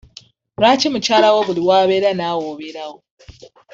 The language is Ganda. Lwaki mukyalawo buli w'abeera naawe obeerawo?